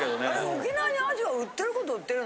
沖縄にアジは売ってることは売ってるの？